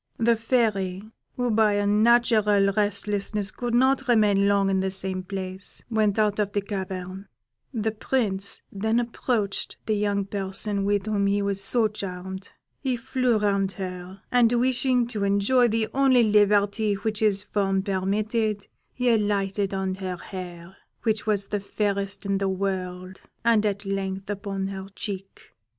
The Fairy, who by a natural restlessness could not remain long in the same place, went out of the cavern; the Prince then approached the young person with whom he was so charmed; he flew round her, and wishing to enjoy the only liberty which his form permitted, he alighted on her hair, which was the fairest in the world, and at length upon her cheek.